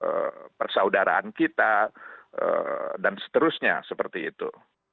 keutuhan kita persaudaraan kita dan seterusnya seperti itu